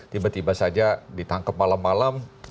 tiba tiba saja ditangkap malam malam